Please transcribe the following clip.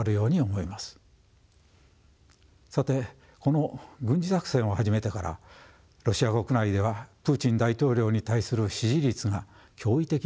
さてこの軍事作戦を始めてからロシア国内ではプーチン大統領に対する支持率が驚異的に高まっています。